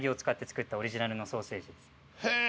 へえ。